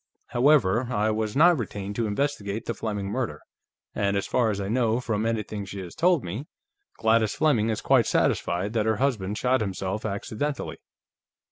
However, I was not retained to investigate the Fleming murder, and as far as I know from anything she has told me, Gladys Fleming is quite satisfied that her husband shot himself accidentally."